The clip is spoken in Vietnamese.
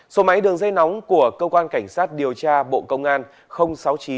số máy đường dây nóng của cơ quan cảnh sát điều tra bộ công an sáu mươi chín hai trăm ba mươi bốn năm nghìn tám trăm sáu mươi